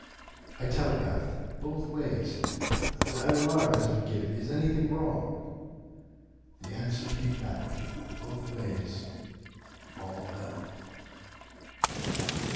I telegraphed both ways, 'An alarm has been given. Is anything wrong?' The answer came back, both ways, 'All well.